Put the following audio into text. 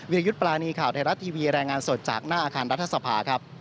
ยุทธ์ปรานีข่าวไทยรัฐทีวีรายงานสดจากหน้าอาคารรัฐสภาครับ